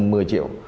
mà một mươi triệu